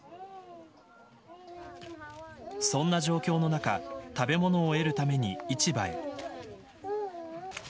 そんな状況の中食べ物を得るために市場へ。